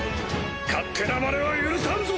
勝手なまねは許さんぞ！